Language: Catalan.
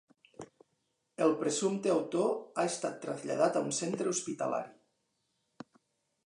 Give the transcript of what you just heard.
El presumpte autor ha estat traslladat a un centre hospitalari.